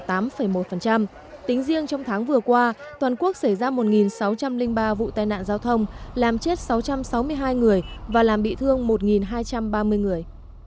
tính riêng trong tháng vừa qua toàn quốc xảy ra một sáu trăm linh ba vụ tai nạn giao thông làm chết sáu trăm sáu mươi hai người và làm bị thương một hai trăm ba mươi người